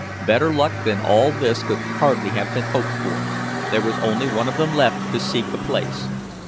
Better luck than all this could hardly have been hoped for; there was only one of them left to seek a place.